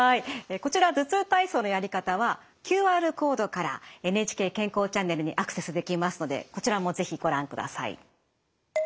こちら頭痛体操のやり方はＱＲコードから「ＮＨＫ健康チャンネル」にアクセスできますのでこちらも是非ご覧ください。